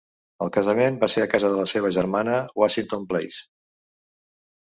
El casament va ser a casa de la seva germana, Washington Place.